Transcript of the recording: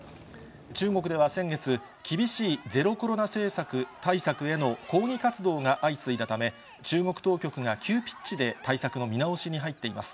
中国では先月、厳しいゼロコロナ政策、対策への抗議活動が相次いだため、中国当局が急ピッチで対策の見直しに入っています。